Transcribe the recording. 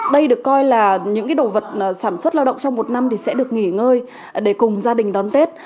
đây được coi là những đồ vật sản xuất lao động trong một năm thì sẽ được nghỉ ngơi để cùng gia đình đón tết